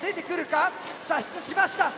射出しました。